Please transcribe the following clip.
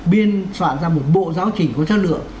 biên soạn ra một bộ giáo trình có chất lượng